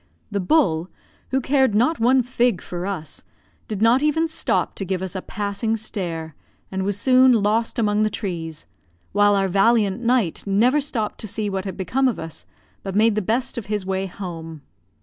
The bull, who cared not one fig for us, did not even stop to give us a passing stare, and was soon lost among the trees; while our valiant knight never stopped to see what had become of us, but made the best of his way home.